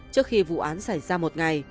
trước khi vụ án xảy ra một ngày